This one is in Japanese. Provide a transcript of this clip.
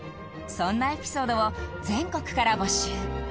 そんなエピソードを全国から募集